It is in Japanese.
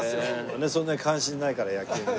そんなに関心ないから野球にね。